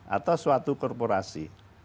atau suatu korporasi